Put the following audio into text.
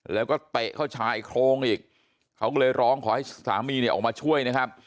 แล้วก็เตะเข้าชายโครงอีกเขาก็เลยร้องขอให้สามีเนี่ยออกมาช่วยนะครับ